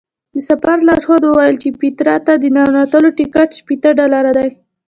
د سفر لارښود وویل چې پیترا ته د ننوتلو ټکټ شپېته ډالره دی.